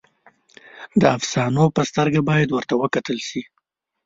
د افسانو په سترګه باید ورته وکتل شي.